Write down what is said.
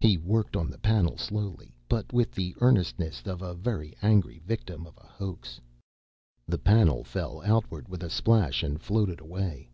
He worked on the panel slowly, but with the earnestness of a very angry victim of a hoax. The panel fell outward with a splash, and floated away.